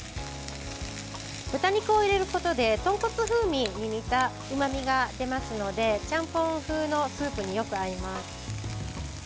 豚肉を入れることで豚骨風味に似たうまみが出ますのでちゃんぽん風のスープによく合います。